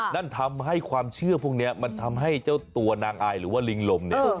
นั่นทำให้ความเชื่อพวกนี้มันทำให้เจ้าตัวนางอายหรือว่าลิงลมเนี่ย